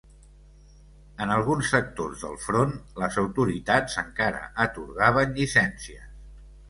En alguns sectors del front les autoritats encara atorgaven llicències